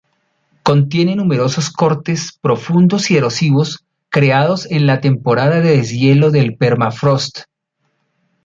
Contiene numerosos cortes profundos y erosivos creados en la temporada de deshielo del permafrost.